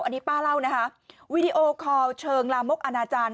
อันนี้ป้าเล่านะคะวีดีโอคอลเชิงลามกอนาจารย์